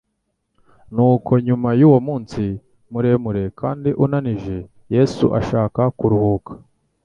Nuko nyuma y'uwo munsi muremure kandi unanije, Yesu ashaka kuruhuka.